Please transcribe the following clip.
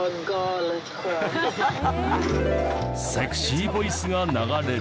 セクシーボイスが流れる。